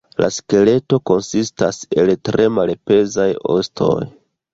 La skeleto konsistas el tre malpezaj ostoj.